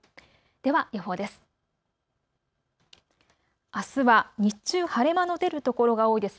では予報です。